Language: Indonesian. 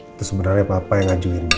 itu sebenarnya papa yang ngajuin dia